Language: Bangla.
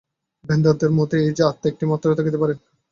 বেদান্তের মত এই যে, আত্মা একটি মাত্রই থাকিতে পারেন।